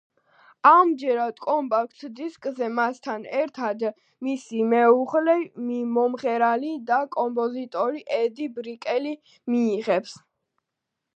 ამჯერად კომპაქტ დისკზე მასთან ერტად მისი მეუღლე მომღერალი და კომპოზიტორი ედი ბრიკელი მიიღებს მონაწილეობას.